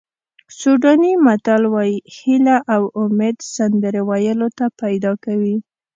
سوډاني متل وایي هیله او امید سندرې ویلو ته پیدا کوي.